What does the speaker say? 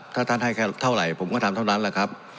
ถ้าท่านให้แค่เท่าไหร่ผมก็ทำเท่านั้นแหละครับ